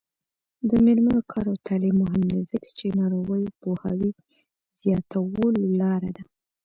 د میرمنو کار او تعلیم مهم دی ځکه چې ناروغیو پوهاوي زیاتولو لاره ده.